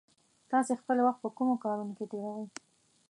تاسې خپل وخت په کومو کارونو کې تېروئ؟